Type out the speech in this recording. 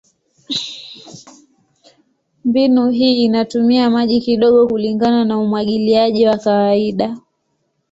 Mbinu hii inatumia maji kidogo kulingana na umwagiliaji wa kawaida.